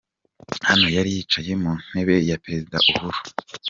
Hano yari yicaye mu ntebe ya Perezida Uhuru.